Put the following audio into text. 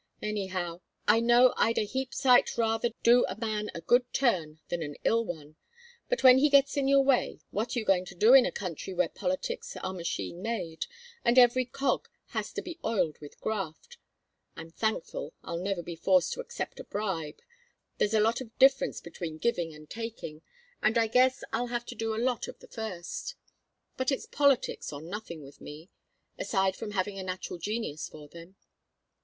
Anyhow, I know I'd a heap sight rather do a man a good turn than an ill one; but when he gets in your way what are you going to do in a country where politics are machine made and every cog has to be oiled with graft? I'm thankful I'll never be forced to accept a bribe there's a lot of difference between giving and taking, and I guess I'll have to do a lot of the first. But it's politics or nothing with me, aside from having a natural genius for them.